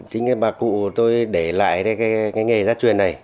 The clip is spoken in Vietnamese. chính cái bà cụ tôi để lại cái nghề gia truyền này